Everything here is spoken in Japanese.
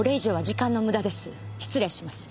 失礼します。